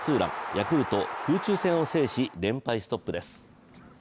ヤクルト、空中戦を制し、連敗ストップです。